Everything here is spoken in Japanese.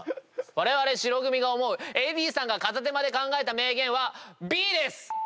われわれ白組が思うＡＤさんが片手間で考えた名言はＢです！